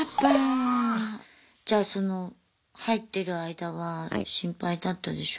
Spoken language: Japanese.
じゃあその入ってる間は心配だったでしょう。